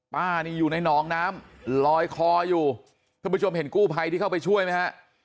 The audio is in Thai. ป้านี่อยู่ในหนองน้ำลอยคออยู่ท่านผู้ชมเห็นกู้ภัยที่เข้าไปช่วยไหมฮะ